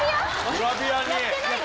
グラビアに。